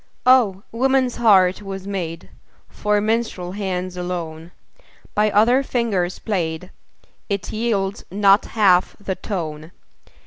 Oh! woman's heart was made For minstrel hands alone; By other fingers played, It yields not half the tone.